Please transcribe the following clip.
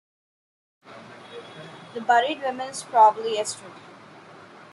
The buried woman was probably Estrid.